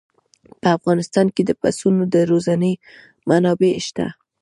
په افغانستان کې د پسونو د روزنې منابع شته.